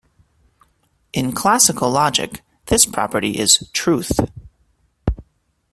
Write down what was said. In classical logic, this property is "truth.